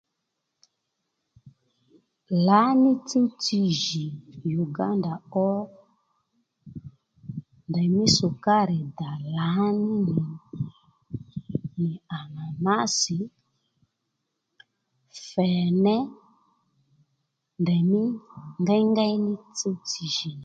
Lǎ ní tsúw tsi jì Uganda ó ndéymí sukari ddà lǎní nì nì ànànási fèné ndèymí ngengéy ní tsuw tsi jì